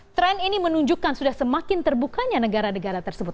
tren ini menunjukkan sudah semakin terbukanya negara negara tersebut